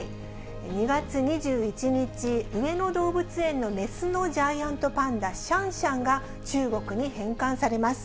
２月２１日、上野動物園の雌のジャイアントパンダ、シャンシャンが、中国に返還されます。